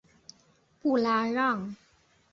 布拉让。